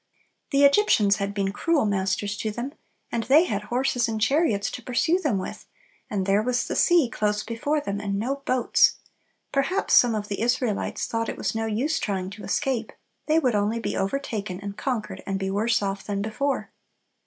The Egyptians had been cruel masters to them; and they had horses and chariots to pursue them with; and there was the sea close before them, and no boats! Perhaps some of the Israelites thought it was no use trying to escape, they would only be overtaken and conquered and be worse off than before.